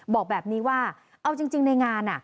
บอกแบบนี้ว่าเอาจริงในงาน